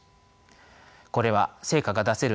これは成果が出せる